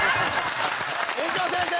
「園長先生！」